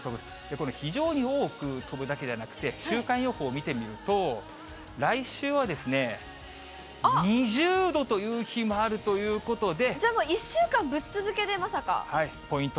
この非常に多く飛ぶだけじゃなくて、週間予報を見てみると、来週は２０度という日もあるということで、じゃあもう、ポイント